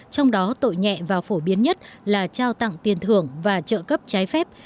trong đó tội nhẹ và phổ biến nhất là trao tặng tiền thưởng và trợ cấp trái phép